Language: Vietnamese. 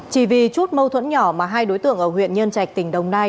chỉ vì chút mâu thuẫn nhỏ mà hai đối tượng ở huyện nhân trạch tỉnh đồng nai